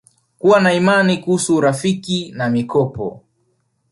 Kuwa na imani Kuhusu urafiki na mikopo